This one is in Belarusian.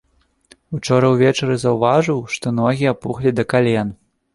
Учора ўвечары заўважыў, што ногі апухлі да кален.